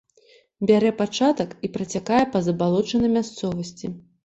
Бярэ пачатак і працякае па забалочанай мясцовасці.